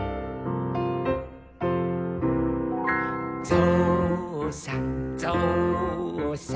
「ぞうさんぞうさん」